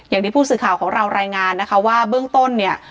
อย่างที่ผู้สื่อข่าวของเรารายงานนะคะว่าเบื้องต้นเนี่ย